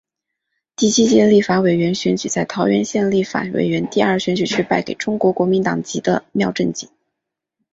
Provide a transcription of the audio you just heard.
第七届立法委员选举在桃园县立法委员第二选举区败给中国国民党籍的廖正井。